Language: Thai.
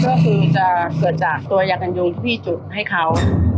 ก็คือจะเกิดจากตัวยากันยุงที่พี่จุดให้เขา